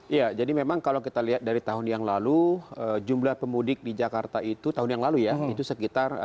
iya jadi memang kalau kita lihat dari tahun yang lalu jumlah pemudik di jakarta itu tahun yang lalu ya itu sekitar